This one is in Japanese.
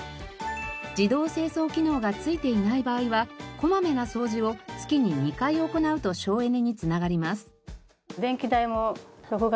自動清掃機能が付いていない場合はこまめな掃除を月に２回行うと省エネに繋がります。